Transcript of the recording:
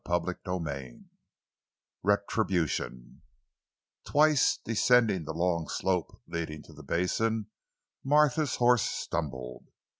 CHAPTER XXXIII—RETRIBUTION Twice descending the long slope leading to the basin, Martha's horse stumbled.